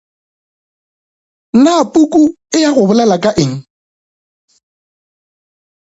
Na puku e ya go bolela ka ga eng?